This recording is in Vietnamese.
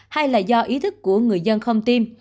hay là do ý thức của người dân không tiêm